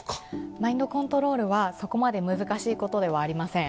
マインドコントロールは、そこまで難しいことではありません。